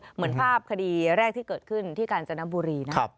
เหมือนภาพคดีแรกที่เกิดขึ้นที่กาญจนบุรีนะ